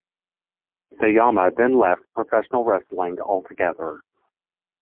Sayama then left professional wrestling altogether.